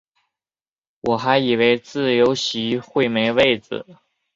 我还以为自由席会没位子